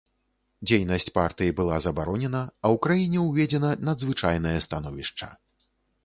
Дзейнасць партый была забаронена, а ў краіне ўведзена надзвычайнае становішча.